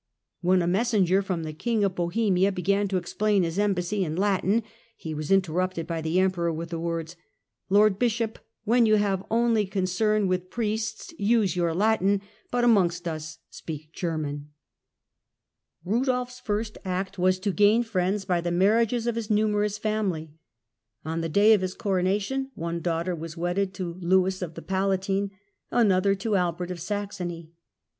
When a messenger from the King of Bohemia began to explain his embassy in Latin, he was interrupted by the Emperor with the words :" Lord Bishop, when you have only concern with Priests use your Latin, but amongst us speak German". Eudolf's first act was to Marriage „.,,./. 1 •/••! alliances gam friends by the marriages of his numerous family. On the day of his coronation one daughter was wedded to Lewis of the Palatinate and another to Albert of Saxony.